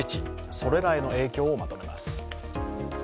それらへの影響をまとめます。